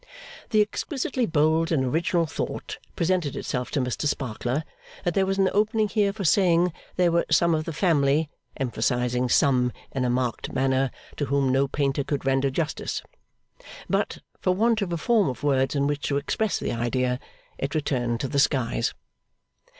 The exquisitely bold and original thought presented itself to Mr Sparkler, that there was an opening here for saying there were some of the family (emphasising 'some' in a marked manner) to whom no painter could render justice. But, for want of a form of words in which to express the idea, it returned to the skies.